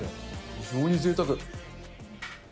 非常にぜいたく。